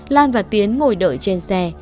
lan và tiến ngồi đợi trên xe